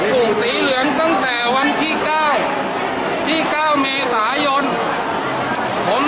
ต้องรู้ว่าวันว่าวันนี้ต้องรู้ว่าวันไหนได้ตัง